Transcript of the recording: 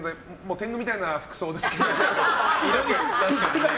天狗みたいな服装ですけど。